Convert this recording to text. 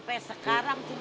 cuma satu lagunya